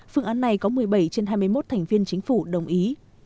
phương án này có một mươi bảy trên hai mươi một thành viên chính phủ đồng ý